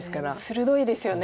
鋭いですよね。